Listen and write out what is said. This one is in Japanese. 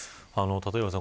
立岩さん